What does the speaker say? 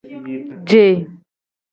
Je.